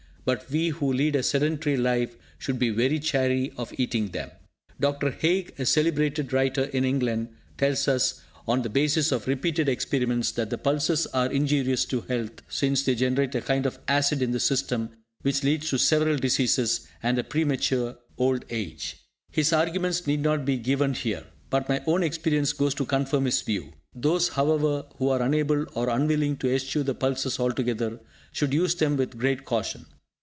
But we who lead a sedentary life should be very chary of eating them. Dr. Haig, a celebrated writer in England, tells us, on the basis of repeated experiments, that the pulses are injurious to health, since they generate a kind of acid in the system, which leads to several diseases, and a premature old age. His arguments need not be given here, but my own experience goes to confirm his view. Those, however, who are unable or unwilling to eschew the pulses altogether, should use them with great caution.